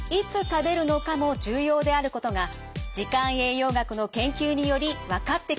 食べるのかも重要であることが時間栄養学の研究により分かってきました。